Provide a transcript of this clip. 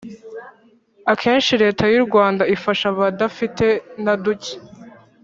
Akenshi Leta y ‘u Rwanda ifasha abadafite naduke.